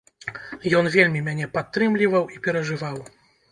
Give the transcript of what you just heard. Ён вельмі мяне падтрымліваў і перажываў.